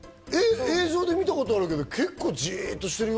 映像で見たことあるけど、結構じっとしてるよ。